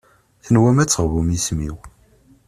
Tenwam ad teɣbum isem-iw.